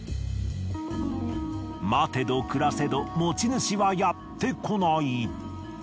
待てど暮らせど持ち主はやってこない。